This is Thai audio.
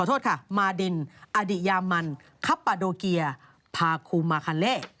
โทษค่ะมาดินอดิยามันคับปาโดเกียพาคูมาคาเล่